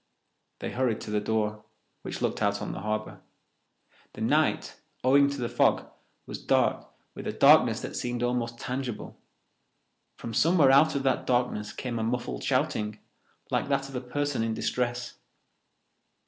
They hurried to the door, which looked out on the harbour. The night, owing to the fog, was dark with a darkness that seemed almost tangible. From somewhere out of that darkness came a muffled shouting, like that of a person in distress.